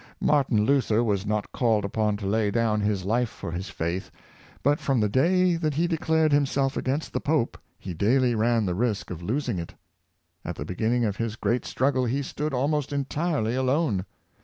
Martin Luther was not called upon to lay down his life for his faith; but, from the day that he declared himself against the pope he daily ran the risk of losing it. At the beginning of his great struggle he stood almost entirely alone.